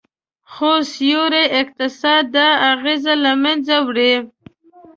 خو سیوري اقتصاد دا اغیز له منځه وړي